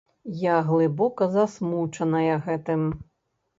Я глыбока засмучаная гэтым.